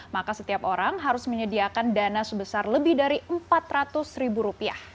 maka setiap orang harus menyediakan dana sebesar lebih dari empat ratus ribu rupiah